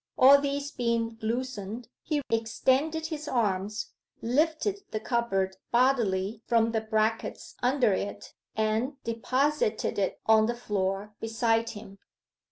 All these being loosened, he extended his arms, lifted the cupboard bodily from the brackets under it, and deposited it on the floor beside him.